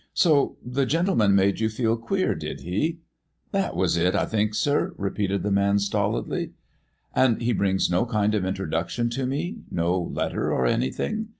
"So the gentleman made you feel queer, did he?" "That was it, I think, sir," repeated the man stolidly. "And he brings no kind of introduction to me no letter or anything?"